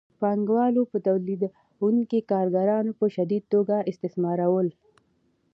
پانګوالو به تولیدونکي کارګران په شدیده توګه استثمارول